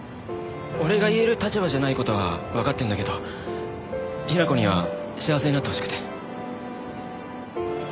俺が言える立場じゃない事はわかってるんだけど雛子には幸せになってほしくて。